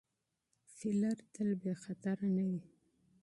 فیلر تل بې خطره نه وي.